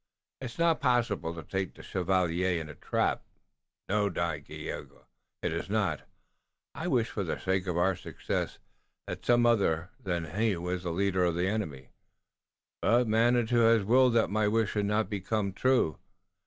"It's not possible to take the Chevalier in a trap." "No, Dagaeoga, it is not. I wish, for the sake of our success, that some other than he was the leader of the enemy, but Manitou has willed that my wish should not come true.